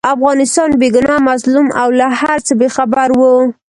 افغانستان بې ګناه، مظلوم او له هرڅه بې خبره وو.